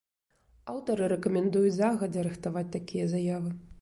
Аўтары рэкамендуюць загадзя рыхтаваць такія заявы.